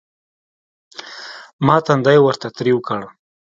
ما تندى ورته تريو کړ.